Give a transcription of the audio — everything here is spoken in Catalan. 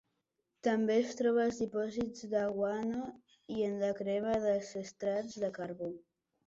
També es troba als dipòsits de guano i en la crema dels estrats de carbó.